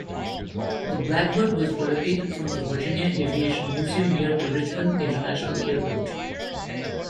The Blackbird was relocated from the Virginia Aviation Museum near the Richmond International Airport.